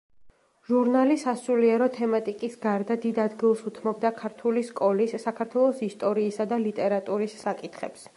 ჟურნალი სასულიერო თემატიკის გარდა დიდ ადგილს უთმობდა ქართული სკოლის, საქართველოს ისტორიისა და ლიტერატურის საკითხებს.